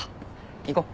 行こう。